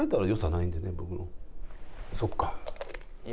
そっか。